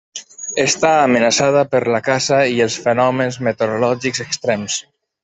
Està amenaçada per la caça i els fenòmens meteorològics extrems.